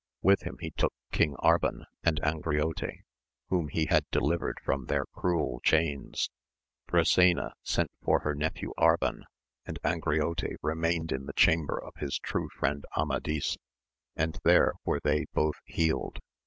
With him he took King Arban and Angriote, whom he had delivered from their cruel chains. Brisena sent for her nephew Arban, and Angriote remained in the chamber of his true friend Amadis, and there were they both healed; AMADIS OF GAUL.